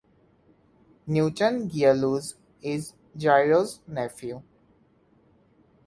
Newton Gearloose is Gyro's nephew.